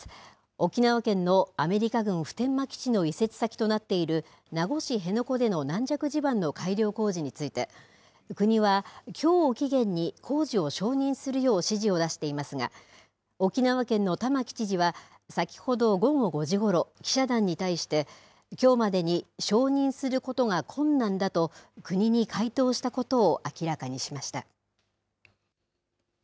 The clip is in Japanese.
沖縄県のアメリカ軍普天間基地の移設先となっている、名護市辺野古での軟弱地盤の改良工事について、国はきょうを期限に、工事を承認するよう指示を出していますが、沖縄県の玉城知事は先ほど午後５時ごろ、記者団に対して、きょうまでに承認することが困難だと国に回答したことを明らかにしました。